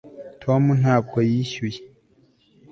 tom ntabwo yishyuye